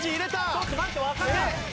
ちょっと待ってわからん。